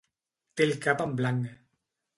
Té el cap en blanc.